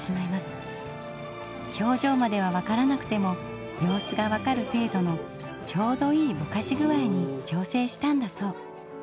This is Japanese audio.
表情までは分からなくても様子が分かる程度のちょうどいいボカし具合に調整したんだそう。